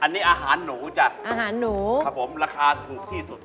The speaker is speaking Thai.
อันนี้อาหารหนูจ้ะราคาถูกที่สุด